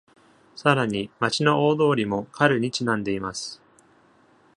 さらに、町の大通りも彼にちなんでいます。